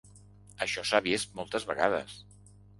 Això s’ha vist moltes vegades.